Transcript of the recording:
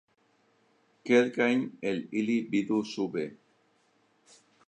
Kelkajn el ili vidu sube.